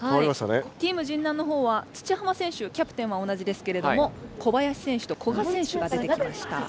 Ｔｅａｍ神南のほうは土濱選手キャプテンは同じですけれども小林選手と古賀選手が出てきました。